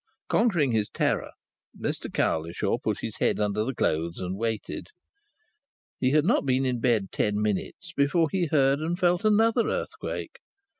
Conquering his terror, Mr Cowlishaw put his head under the clothes and waited. He had not been in bed ten minutes before he heard and felt another earthquake.